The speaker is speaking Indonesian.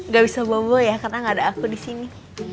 gak bisa bobo ya karena gak ada aku disini